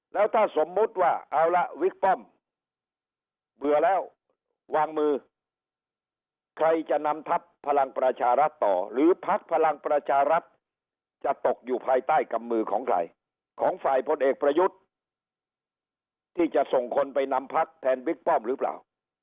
แล้วถ้าสมมุติว่าเอาละบิ๊กป้อมเบื่อแล้ววางมือใครจะนำทัพพลังประชารัฐต่อหรือพักพลังประชารัฐจะตกอยู่ภายใต้กำมือของใครของฝ่ายพลเอกประยุทธ์ที่จะส่งคนไปนำพักแทนบิ๊กป้อมหรือเปล่า